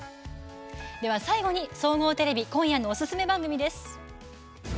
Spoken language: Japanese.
最後に、総合テレビ今夜のおすすめ番組です。